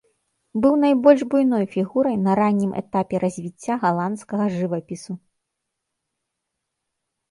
Быў найбольш буйной фігурай на раннім этапе развіцця галандскага жывапісу.